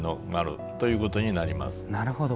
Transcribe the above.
なるほど。